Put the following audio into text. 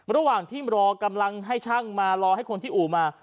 ระหว่างที่รอกำลังให้ช่างมารอให้คนที่อู่มา